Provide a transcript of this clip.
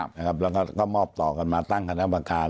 ล่ะครับแล้วก็มอบต่อกันมาตั้งคณะบังคาร